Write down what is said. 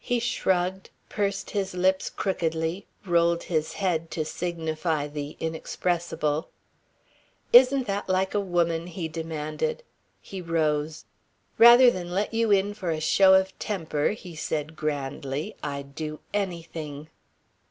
He shrugged, pursed his lips crookedly, rolled his head to signify the inexpressible. "Isn't that like a woman?" he demanded. He rose. "Rather than let you in for a show of temper," he said grandly, "I'd do anything."